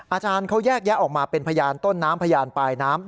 อาจารย์เขาแยกแยะออกมาเป็นพยานต้นน้ำพยานปลายน้ำ